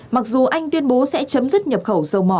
mặc dù anh tuyên bố sẽ chấm dứt nhập khẩu dầu mỏ